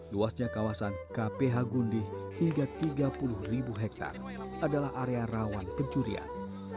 luasnya kawasan kph gundih hingga tiga puluh ribu hektare adalah area rawan pencurian